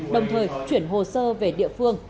đồng thời chuyển hồ sơ về địa phương